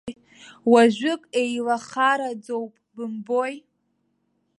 Уажәык еилахараӡоуп, бымбои.